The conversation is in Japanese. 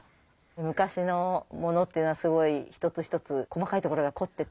昔のものっていうのはすごい一つ一つ細かいところが凝ってて。